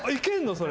それ。